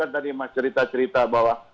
tadi mas cerita cerita bahwa